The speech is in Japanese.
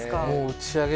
打ち上げ